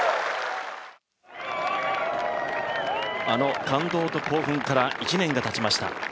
あの感動と興奮から１年がたちました。